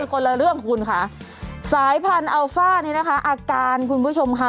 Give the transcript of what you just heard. คนละเรื่องคุณค่ะสายพันธุ์อัลฟ่านี้นะคะอาการคุณผู้ชมค่ะ